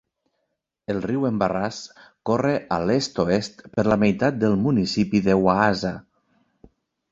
El riu Embarrass corre a l'est-oest per la meitat del municipi de Waasa.